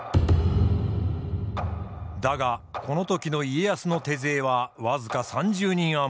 だがこの時の家康の手勢は僅か３０人余り。